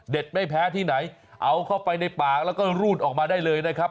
ไม่แพ้ที่ไหนเอาเข้าไปในปากแล้วก็รูดออกมาได้เลยนะครับ